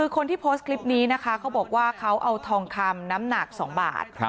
คนที่โพสต์คลิปนี้นะคะเขาบอกว่าเขาเอาทองคำน้ำหนัก๒บาท